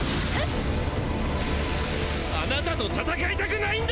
あなたと戦いたくないんだ！